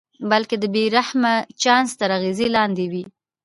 بلکې د بې رحمه چانس تر اغېز لاندې وي.